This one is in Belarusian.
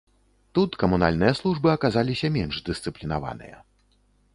Тут камунальныя службы аказаліся менш дысцыплінаваныя.